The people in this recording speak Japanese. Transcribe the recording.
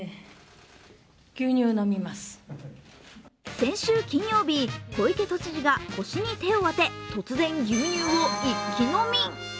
先週金曜日、小池都知事が腰に手を当て突然、牛乳を一気飲み。